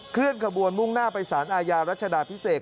เคลื่อนขบวนมุ่งหน้าไปสารอาญารัชดาพิเศษ